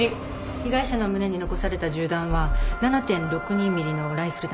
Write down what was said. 被害者の胸に残された銃弾は７．６２ｍｍのライフル弾。